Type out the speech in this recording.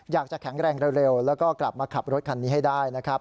อยากจะแข็งแรงเร็วแล้วก็กลับมาขับรถคันนี้ให้ได้นะครับ